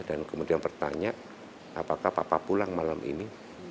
dan kemudian bertanya apakah papa pulang malam ini